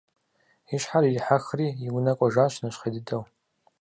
И щхьэр ирихьэхри и унэ кӀуэжащ нэщхъей дыдэу.